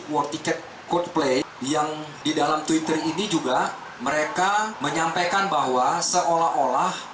war ticket coldplay yang di dalam twitter ini juga mereka menyampaikan bahwa seolah olah